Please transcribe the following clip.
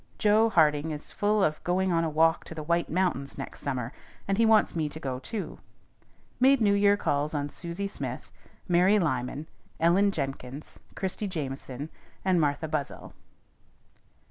_ Jo. Harding is full of going on a walk to the White Mountains next summer, and he wants me to go too. _Made New Year calls on Susie Smith, Mary Lyman, Ellen Jenkins, Christie Jameson, and Martha Buzzell.